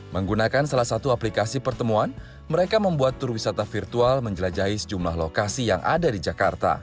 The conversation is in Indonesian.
menggunakan salah satu aplikasi pertemuan mereka membuat tur wisata virtual menjelajahi sejumlah lokasi yang ada di jakarta